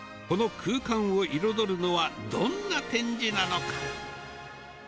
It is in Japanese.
この空間を彩るのはどんな展示なのか。